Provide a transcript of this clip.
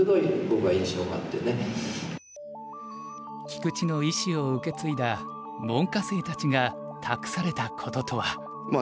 菊池の意志を受け継いだ門下生たちが託されたこととは。